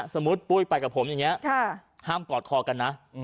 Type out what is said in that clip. สมมุติปุ้ยไปกับผมอย่างเงี้ยห้ามกอดคอกันนะ